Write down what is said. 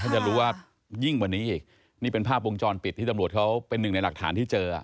จะรู้ว่ายิ่งกว่านี้อีกนี่เป็นภาพวงจรปิดที่ตำรวจเขาเป็นหนึ่งในหลักฐานที่เจอ